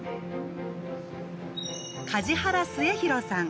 梶原末廣さん。